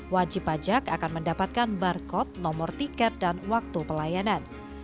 wajib pajak akan mendapatkan barcode nomor tiket dan waktu pelayanan